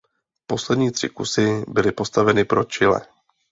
Poslední tři kusy byly postaveny pro Chile.